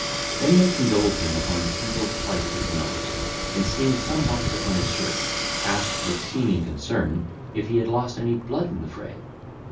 Then they condoled him upon the evil plight of his nose, and seeing some marks upon his shirt, asked with seeming concern, if he had lost any blood in the fray?